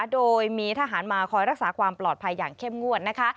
โดยมีทหารมาคอยรักษาความปลอดภัยอย่างเข้มงวดนะคะ